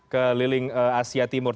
keliling asia timur